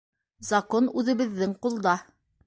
Закон үҙебеҙҙең ҡулда.